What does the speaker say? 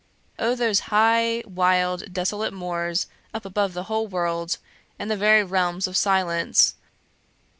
Oh those high, wild, desolate moors, up above the whole world, and the very realms of silence!